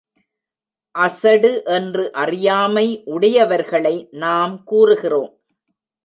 அசடு என்று அறியாமை உடையவர்களை நாம் கூறுகிறோம்.